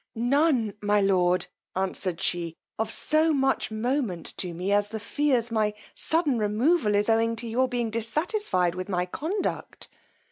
none, my lord, answered she, of so much moment to me as the fears my sudden removal is owing to your being dissatisfied with my conduct.